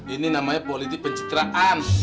ini namanya politik pencitraan